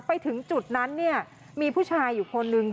ไปถึงจุดนั้นมีผู้ชายอยู่คนหนึ่ง